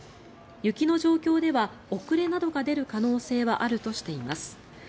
雪の状況では遅れなどが出る可能性はあるとしています。